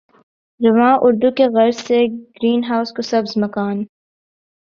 رواں اردو کی غرض سے گرین ہاؤس کو سبز مکان